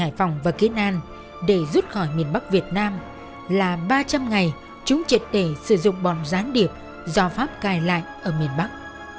hải phòng và kiến an để rút khỏi miền bắc việt nam là ba trăm linh ngày chúng triệt để sử dụng bọn gián điệp do pháp cài lại ở miền bắc